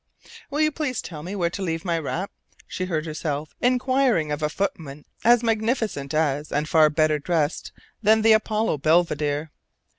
"Will you please tell me where to leave my wrap?" she heard herself inquiring of a footman as magnificent as, and far better dressed than, the Apollo Belvedere.